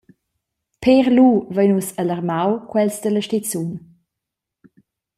Pér lu vein nus alarmau quels dalla stizun.